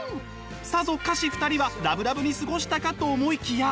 さぞかし２人はラブラブに過ごしたかと思いきや。